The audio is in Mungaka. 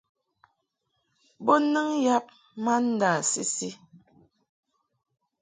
Bo nɨŋ yam ma ndâ-sisi.